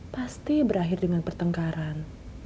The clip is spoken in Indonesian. pasti berakhir dengan pertengkaran